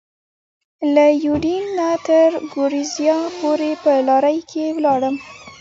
له یوډین نه تر ګورېزیا پورې په لارۍ کې ولاړم.